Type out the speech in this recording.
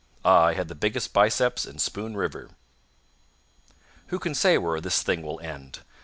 I had the biggest biceps in Spoon River. Who can say where this thing will end?